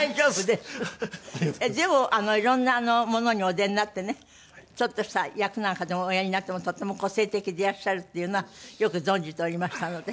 でもいろんなものにお出になってねちょっとした役なんかでもおやりになってもとても個性的でいらっしゃるっていうのはよく存じておりましたので。